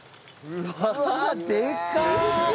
うわでかっ！